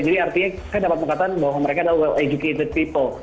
jadi artinya saya dapat pengkatan bahwa mereka adalah well educated people